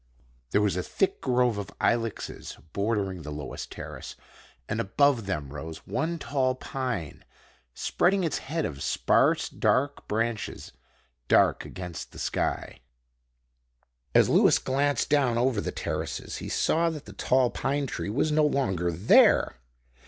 There was a thick grove of ilexes bordering the lowest terrace, and above them rose one tall pine, spreading its head of sparse, dark branches dark against the sky. As Lewis glanced down over the terraces he saw that the tall pine tree was no longer there.